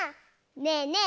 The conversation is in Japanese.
ねえねえ